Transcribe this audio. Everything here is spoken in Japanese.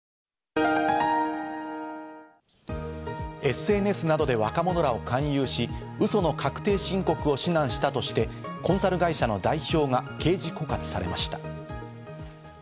ＳＮＳなどで若者らを勧誘し、ウソの確定申告を指南したとして、コンサル会社の代表が刑事告発されました。